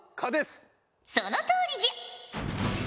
そのとおりじゃ。